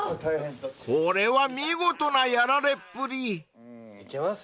［これは見事なやられっぷり］いけます？